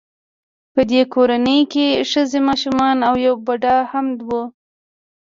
په دې کورنۍ کې ښځې ماشومان او یو بوډا هم و